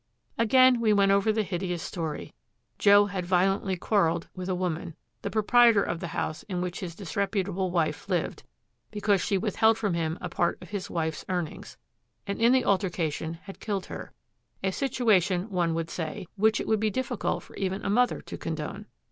Again we went over the hideous story. Joe had violently quarreled with a woman, the proprietor of the house in which his disreputable wife lived, because she withheld from him a part of his wife's 'earnings,' and in the altercation had killed her a situation, one would say, which it would be difficult for even a mother to condone.